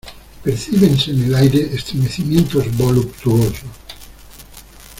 percíbense en el aire estremecimientos voluptuosos: